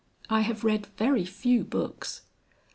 "I have read very few books."